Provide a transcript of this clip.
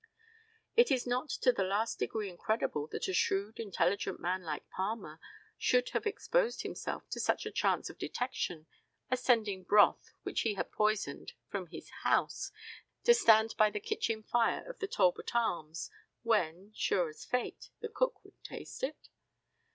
Is it not to the last degree incredible that a shrewd, intelligent man like Palmer should have exposed himself to such a chance of detection as sending broth which he had poisoned from his house, to stand by the kitchen fire of the Talbot Arms, when, sure as fate, the cook would taste it?